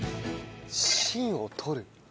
芯を取る。